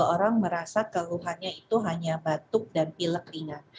orang merasa keluhannya itu hanya batuk dan pilek ringan